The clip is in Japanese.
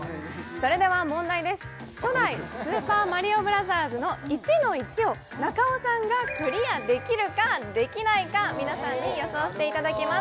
それでは問題です初代スーパーマリオブラザーズの１−１を中尾さんがクリアできるかできないか皆さんに予想していただきます